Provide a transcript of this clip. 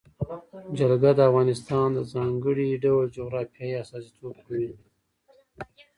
جلګه د افغانستان د ځانګړي ډول جغرافیه استازیتوب کوي.